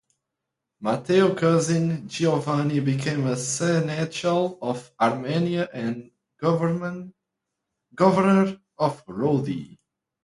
Matteo's cousin, Giovanni, became Seneschal of Armenia and Governor of Rodi.